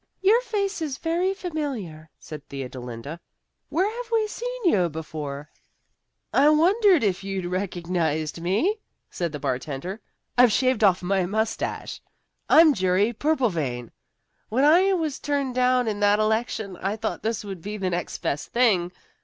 "Your face is very familiar," said Theodolinda. "Where have we seen you before?" "I wondered if you'd recognize me," said the bartender. "I've shaved off my mustache. I'm Jerry Purplevein. When I was turned down in that election I thought this would be the next best thing.